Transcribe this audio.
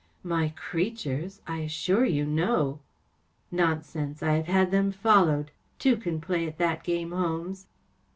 41 My creatures ! I assure you no I "" Nonsense ! I have had them followed. Two can play at that game. Holmes."